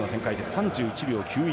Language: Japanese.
３１秒９１。